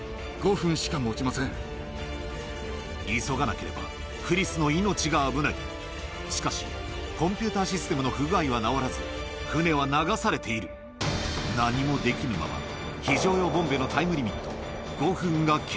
急がなければクリスの命が危ないしかしコンピューターシステムの不具合は直らず船は流されている何もできぬまま